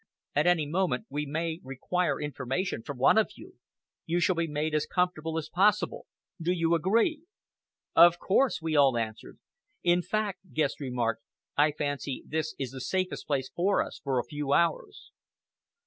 At any moment we may require information from one of you! You shall be made as comfortable as possible! Do you agree?" "Of course," we all answered. "In fact," Guest remarked, "I fancy this is the safest place for us for a few hours."